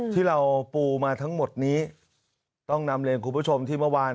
ที่เราปูมาทั้งหมดนี้ต้องนำเรียนคุณผู้ชมที่เมื่อวาน